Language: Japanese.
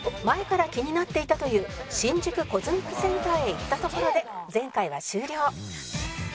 前から気になっていたという新宿コズミックセンターへ行ったところで前回は終了